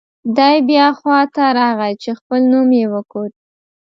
دی بیا خوا ته راغی چې خپل نوم یې وکوت.